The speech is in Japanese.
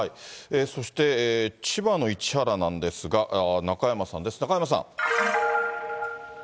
そして、千葉の市原なんですが、中山さんです、中山さん。